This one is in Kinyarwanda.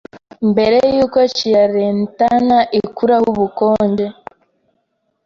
Mbere yuko Chiarentana ikuraho ubukonje